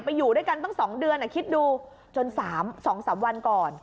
ไปอยู่ด้วยกันตั้งสองเดือนอ่ะคิดดูจนสามสองสามวันก่อน